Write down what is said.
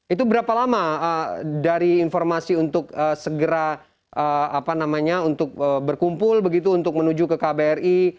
itu berapa lama dari informasi untuk segera berkumpul begitu untuk menuju ke kbri